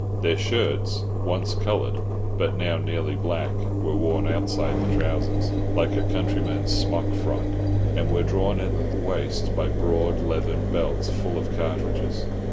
Their shirts—once coloured, but now nearly black—were worn outside the trousers, like a countryman's smock frock, and were drawn in at the waist by broad leathern belts full of cartridges.